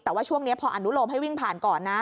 แต่ว่าช่วงนี้พออนุโลมให้วิ่งผ่านก่อนนะ